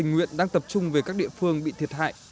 huyện đang tập trung về các địa phương bị thiệt hại